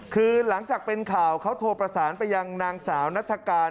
คือหลังจากเป็นข่าวเขาโทรประสานไปยังนางสาวนัฐกาล